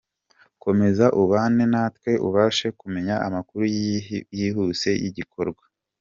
Komeza ubane natwe ubashe kumenya amakuru yihuse y’iki gikorwa.